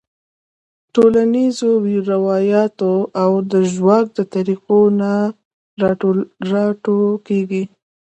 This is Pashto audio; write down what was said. ټولنیزو رواياتو او د ژواک د طريقو نه راټوکيږي -